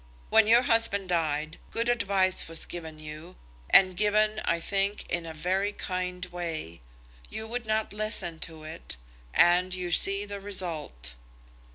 When your husband died, good advice was given you, and given, I think, in a very kind way. You would not listen to it, and you see the result."